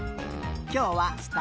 きょうはすた